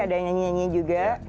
ada nyanyi nyanyi juga